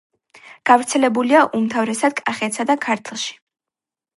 გავრცელებულია უმთავრესად კახეთსა და ქართლში.